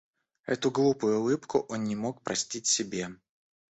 Эту глупую улыбку он не мог простить себе.